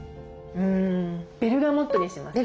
ベルガモットにします。